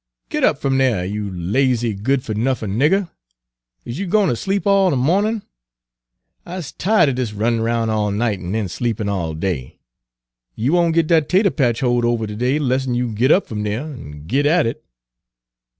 "Git up f'm dere, you lazy, good fuh nuffin' nigger! Is you gwine ter sleep all de mawnin'? I 's ti'ed er dis yer runnin' 'roun' all night an' den sleepin' all day. You won't git dat tater patch hoed ovuh ter day 'less'n you git up f'm dere an' git at it."